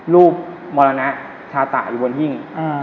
ลูบมรณะชาตาอยู่บนหิ่ง